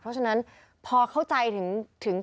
เพราะฉะนั้นพอเข้าใจถึง